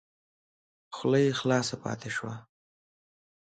خوله یې خلاصه پاته شوه !